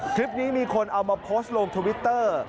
คลิปนี้มีคนเอามาโพสต์ลงทวิตเตอร์